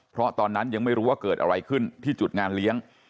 เพราะตอนนั้นยังไม่รู้ว่าเกิดอะไรขึ้นที่จุดงานเลี้ยง